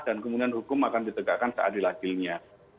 dan kemudian hukum akan ditegakkan keadil adilnya